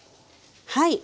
はい。